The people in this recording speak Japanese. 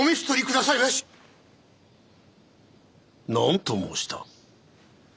何と申した？